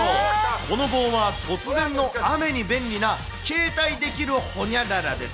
この棒は突然の雨に便利な、携帯できるホニャララです。